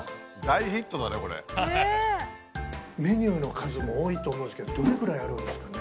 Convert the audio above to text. メニューの数も多いと思うんですけどどれくらいあるんですかね？